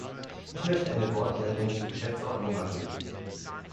Ich möchte eine Wortmeldung zur Geschäftsordnung machen.